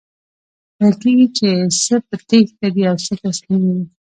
ویل کیږي چی څه په تیښته دي او څه تسلیمیږي.